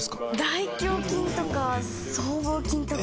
大胸筋とか僧帽筋とか。